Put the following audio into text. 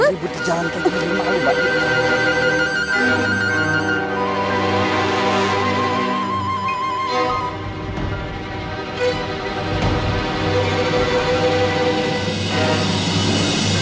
ribut di jalan tadi malu banget